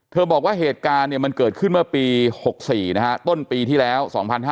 เธอบอกว่าเหตุการณ์เนี่ยมันเกิดขึ้นมาปี๖๔ต้นปีที่แล้ว๒๕๖๔